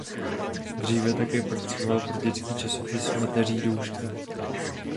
Dříve také pracoval pro dětský časopis "Mateřídouška".